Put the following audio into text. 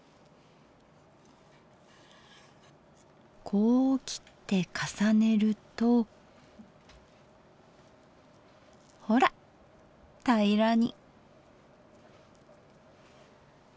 こう切って重ねるとほら平らに。